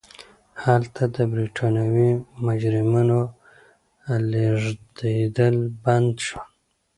هلته د برېټانوي مجرمینو لېږدېدل بند شول.